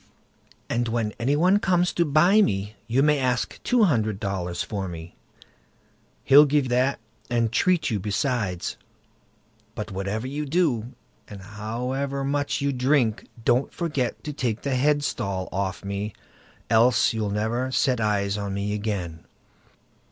"And when any one comes to buy me, you may ask two hundred dollars for me—he'll give that and treat you besides; but whatever you do, and however much you drink, don't forget to take the headstall off me, else you'll never set eyes on me again."